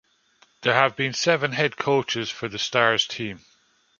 There have been seven head coaches for the Stars team.